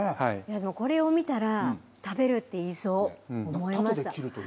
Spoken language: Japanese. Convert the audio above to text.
これを見たら食べるって言いそうと思いました。